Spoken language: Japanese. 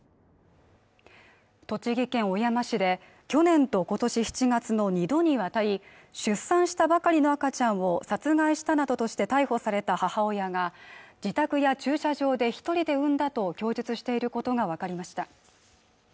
栃木県小山市で去年と今年７月の２度にわたり出産したばかりの赤ちゃんを殺害したなどとして逮捕された母親が自宅や駐車場で一人で産んだと供述していることが分かりました